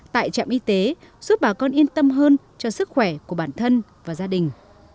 tại trạm y tế giúp bà con yên tâm hơn cho sức khỏe của bản thân và gia đình